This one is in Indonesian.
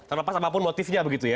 terlepas apapun motifnya begitu ya